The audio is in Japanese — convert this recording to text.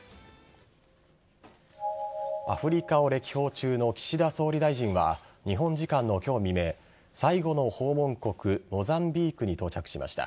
アフリカを歴訪中の岸田総理大臣は日本時間の今日未明最後の訪問国モザンビークに到着しました。